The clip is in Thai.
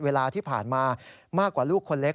เวลาที่ผ่านมามากกว่าลูกคนเล็ก